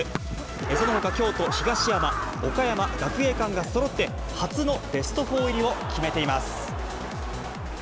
そのほか京都・東山、岡山学芸館がそろって、初のベストフォー入りを決めています。